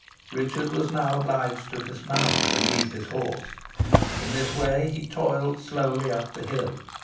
Richard was now obliged to dismount and lead his horse. In this way he toiled slowly up the hill.